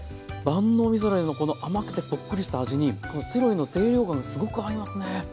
万能みそだれの甘くてこっくりした味にセロリの清涼感がすごく合いますね。